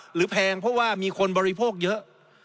แพงเพราะว่ามีคนบริโภคเยอะ